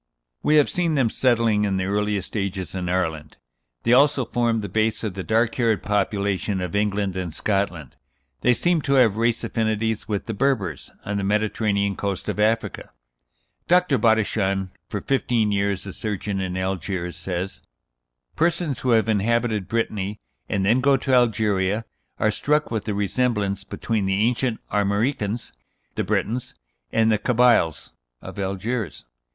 We have seen them settling, in the earliest ages, in Ireland. They also formed the base of the dark haired population of England and Scotland. They seem to have race affinities with the Berbers, on the Mediterranean coast of Africa. Dr. Bodichon, for fifteen years a surgeon in Algiers, says: "Persons who have inhabited Brittany, and then go to Algeria, are struck with the resemblance between the ancient Armoricans (the Brètons) and the Cabyles (of Algiers).